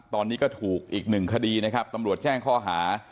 ตอนนี้ก็ถูกอีกหนึ่งคดีนะครับตำรวจแจ้งข้อหา